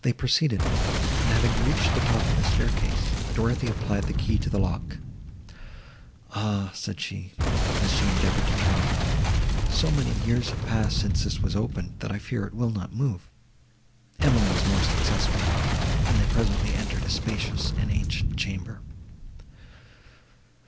They proceeded, and, having reached the top of the staircase, Dorothée applied the key to the lock. "Ah," said she, as she endeavoured to turn it, "so many years have passed since this was opened, that I fear it will not move." Emily was more successful, and they presently entered a spacious and ancient chamber.